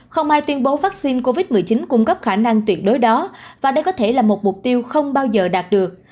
không ai tuyên bố vaccine covid một mươi chín cung cấp khả năng tuyệt đối đó và đây có thể là một mục tiêu không bao giờ đạt được